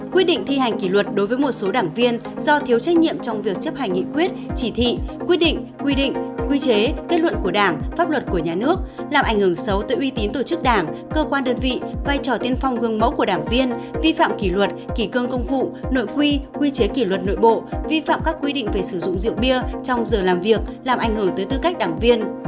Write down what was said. quy định thi hành kỷ luật đối với một số đảng viên do thiếu trách nhiệm trong việc chấp hành nghị quyết chỉ thị quy định quy định quy chế kết luận của đảng pháp luật của nhà nước làm ảnh hưởng xấu tới uy tín tổ chức đảng cơ quan đơn vị vai trò tiên phong gương mẫu của đảng viên vi phạm kỷ luật kỷ cương công vụ nội quy quy chế kỷ luật nội bộ vi phạm các quy định về sử dụng rượu bia trong giờ làm việc làm ảnh hưởng tới tư cách đảng viên